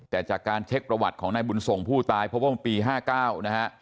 แต่จากการเช็คประวัติของนายบุญส่งผู้ตายเพราะว่าปี๕๙นะฮะ